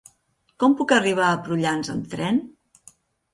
Com puc arribar a Prullans amb tren?